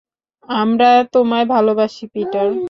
আমরা তোমায় ভালোবাসি, পিটার!